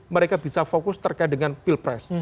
mereka bisa fokus terkait dengan pilpres